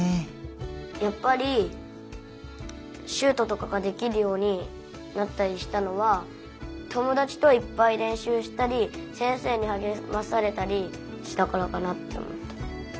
やっぱりシュートとかができるようになったりしたのは友だちといっぱいれんしゅうしたり先生にはげまされたりしたからかなっておもった。